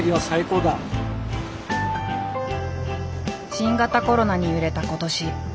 新型コロナに揺れた今年。